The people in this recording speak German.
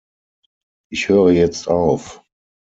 Ich höre jetzt auf.